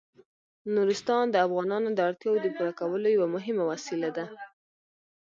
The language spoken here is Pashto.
نورستان د افغانانو د اړتیاوو د پوره کولو یوه مهمه وسیله ده.